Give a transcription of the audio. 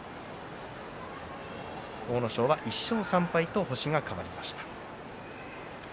阿武咲は１勝３敗と星が変わりました。